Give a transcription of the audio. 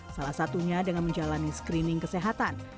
salah satunya dengan menjalani screening kesehatan